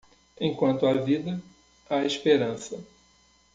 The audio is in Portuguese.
Enquanto há vida, há esperança.